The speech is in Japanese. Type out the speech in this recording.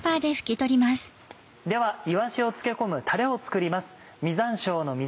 ではいわしを漬け込むタレを作ります。